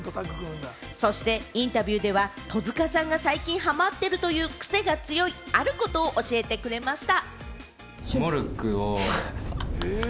そしてインタビューでは戸塚さんが最近ハマっているというクセが強いあることを教えてくれました。